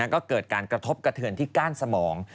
ก็เกิดการกระทบกระเทือนที่ก้านสมอง